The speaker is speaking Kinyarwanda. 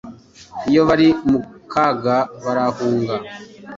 Iyo bari mu kaga, barahunga.